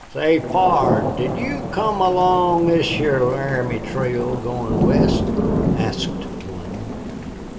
"Say, pard, did you come along this here Laramie Trail goin' West?" asked one.